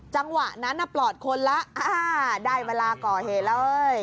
จังหวะนั้นปลอดคนแล้วได้เวลาก่อเหตุแล้ว